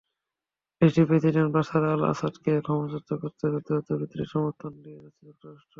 দেশটির president Bashar আল-আসাদকে ক্ষমতাচ্যুত করতে যুদ্ধরত বিদ্রোহীদের সমর্থন দিয়ে যাচ্ছে যুক্তরাষ্ট্র।